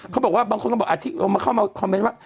เค้าบอกว่าบางคนก็บอกอาทิตย์เข้ามาคอมเม้นต์ว่า